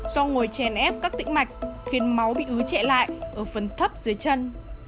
do ngồi chèn ép các tĩnh mạch khiến máu bị ứ trệ lại ở phần thấp dưới chân